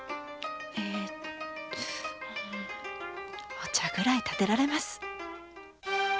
お茶ぐらい点てられます！